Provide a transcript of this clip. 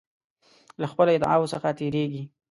له خپلو ادعاوو څخه تیریږي.